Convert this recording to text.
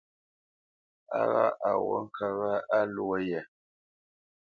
A ghâʼ à ghǔt ŋkə̌t wâ á lwô ye.